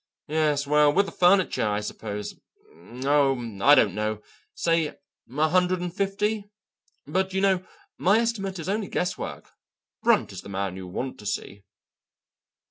Yes, well with the furniture, I suppose oh, I don't know say, a hundred and fifty. But, you know, my estimate is only guesswork. Brunt is the man you want to see."